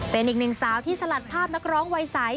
เป็นอีกหนึ่งสาวที่สลัดภาพนักร้องวัยใส